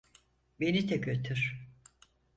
Beni de götür.